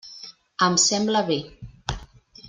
Em sembla bé.